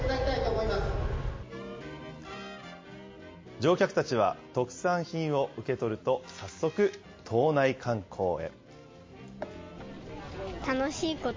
乗客たちは特産品を受け取ると、早速、島内観光へ。